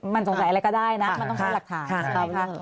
มันสงสัยอะไรก็ได้นะมันต้องใช้หลักถ่ายค่ะค่ะ